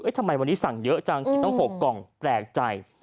เอ๊ะทำไมวันนี้สั่งเยอะจังต้องหกกล่องแปลกใจ